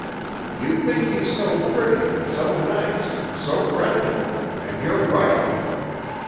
You think he's so pretty, so nice, so friendly, and you're right.